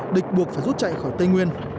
địch buộc phải rút chạy khỏi tây nguyên